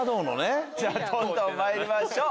じゃあどんどん参りましょう。